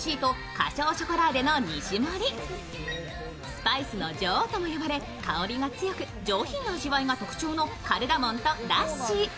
スパイスの女王とも呼ばれ、香りが強く上品な味わいが特徴のカルダモンとラッシー。